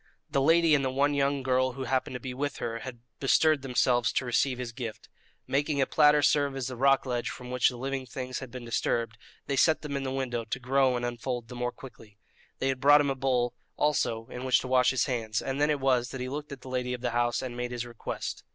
The lady and the one young girl who happened to be with her had bestirred themselves to receive his gift. Making a platter serve as the rock ledge from which the living things had been disturbed, they set them in the window to grow and unfold the more quickly. They had brought him a bowl also in which to wash his hands, and then it was that he looked at the lady of the house and made his request.